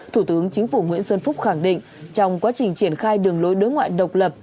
thủ tướng chính phủ nguyễn xuân phúc khẳng định trong quá trình triển khai đường lối đối ngoại độc lập